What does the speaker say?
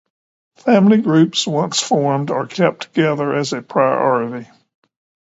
Family groups once formed are kept together as a priority.